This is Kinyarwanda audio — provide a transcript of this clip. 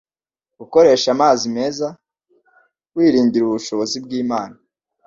gukoresha amazi meza, kwiringira ubushobozi bw’Imana,